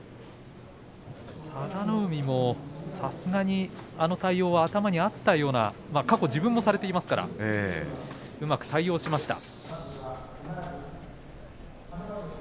佐田の海もさすがにあの対応は頭にあったような過去、自分もされていますからうまく対応しました。